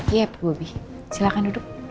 iya bu bubi silahkan duduk